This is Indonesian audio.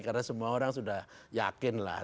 karena semua orang sudah yakin lah